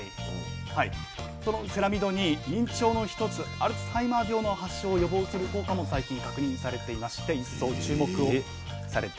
そのセラミドに認知症の一つアルツハイマー病の発症を予防する効果も最近確認されていまして一層注目されているんです。